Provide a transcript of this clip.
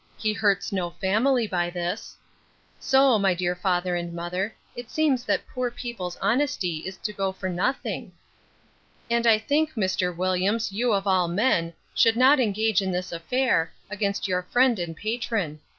He hurts no family by this:' (So, my dear father and mother, it seems that poor people's honesty is to go for nothing) 'And I think, Mr. Williams, you, of all men, should not engage in this affair, against your friend and patron.